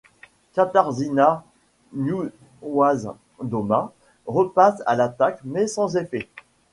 Katarzyna Niewiadoma repasse à l'attaque mais sans effet.